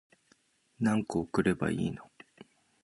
何個送ればいいの